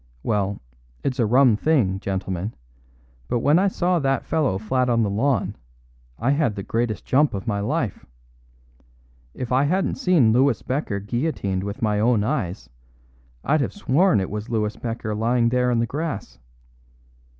Well, it's a rum thing, gentlemen, but when I saw that fellow flat on the lawn I had the greatest jump of my life. If I hadn't seen Louis Becker guillotined with my own eyes, I'd have sworn it was Louis Becker lying there in the grass.